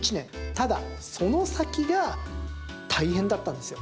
ただ、その先が大変だったんですよ。